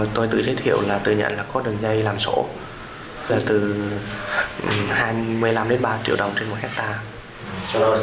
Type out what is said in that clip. tôi tự giới thiệu là tôi nhận là có đường dây làm sổ từ hai mươi năm đến ba triệu đồng trên một hectare